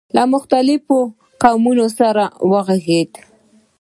له مختلفو قومونو سره وغږېد.